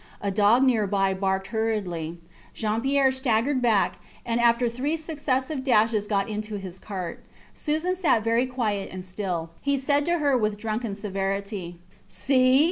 A dog near by barked hurriedly. Jean Pierre staggered back, and after three successive dashes got into his cart. Susan sat very quiet and still. He said to her with drunken severity See?